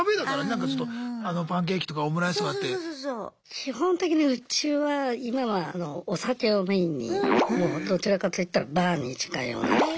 基本的にうちは今はお酒をメインにどちらかといったらバーに近いような。